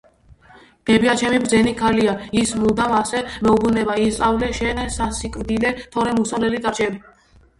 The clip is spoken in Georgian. ბებიაჩემი ბრძენი ქალია, ის მუდამ ასე მეუბნება-ისწავლე შე სასიკვდილე თორემ უსწავლელი დარჩები